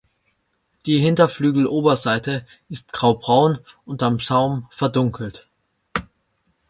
Die Hinterflügeloberseite ist graubraun und am Saum verdunkelt.